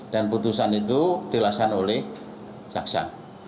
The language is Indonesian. dan putusan itu dilaksanakan oleh saksa